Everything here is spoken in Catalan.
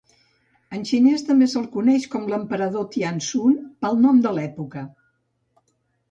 En xinès també se'l coneix com l'emperador de Tianshun pel nom de l'època.